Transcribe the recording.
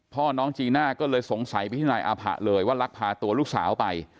พ่อน้องจีน่าก็เลยสงสัยไปที่นายอาผะเลยว่าลักพาตัวลูกสาวไป